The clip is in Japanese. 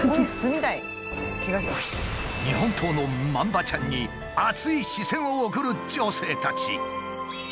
日本刀のまんばちゃんに熱い視線を送る女性たち。